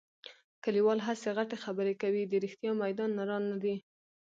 کلیوال هسې غټې خبرې کوي. د رښتیا میدان نران نه دي.